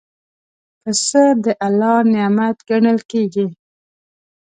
پسه د الله نعمت ګڼل کېږي.